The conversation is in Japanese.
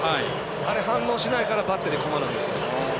あれ反応しないからバッテリー困るんですよ。